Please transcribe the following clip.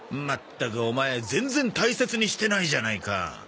まったくオマエ全然大切にしてないじゃないか。